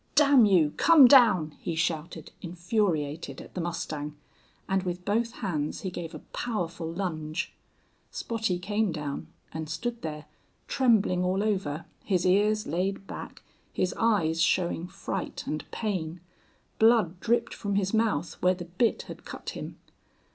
"Damn you come down!" he shouted, infuriated at the mustang, and with both hands he gave a powerful lunge. Spottie came down, and stood there, trembling all over, his ears laid back, his eyes showing fright and pain. Blood dripped from his mouth where the bit had cut him.